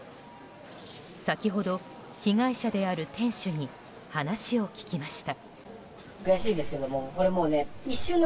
先ほど被害者である店主に話を聞きました。